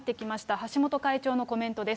橋本会長のコメントです。